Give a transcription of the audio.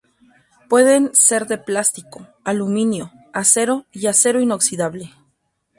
Pueden ser de plástico, aluminio, acero y acero inoxidable.